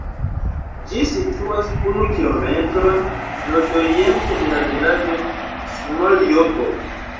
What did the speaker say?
Ĝi situas unu kilometron nordoriente de la vilaĝo Smoljovo.